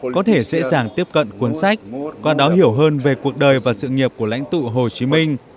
có thể dễ dàng tiếp cận cuốn sách qua đó hiểu hơn về cuộc đời và sự nghiệp của lãnh tụ hồ chí minh